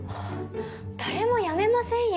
誰も辞めませんよ